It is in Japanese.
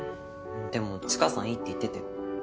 でも知花さんいいって言ってたよ。